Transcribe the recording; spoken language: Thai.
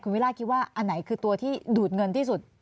วิราชคิดว่าอันไหนคือตัวที่ดูดเงินที่สุด